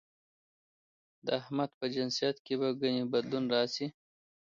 د احمد په جنسيت کې به ګنې بدلون راشي؟